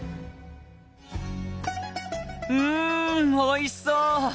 うんおいしそう！